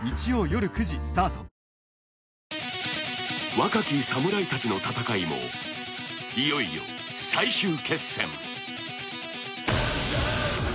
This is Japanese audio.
若き侍たちの戦いも、いよいよ最終決戦。